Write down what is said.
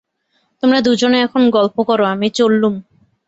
তোমরা দুজনে এখন গল্প করো, আমি চললুম।